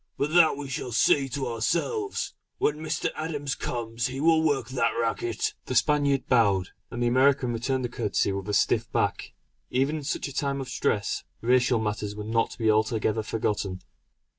But that we shall see to ourselves; when Mr. Adams comes he will work that racket!" The Spaniard bowed, and the American returned the courtesy with a stiff back. Even in such a time of stress, racial matters were not to be altogether forgotten.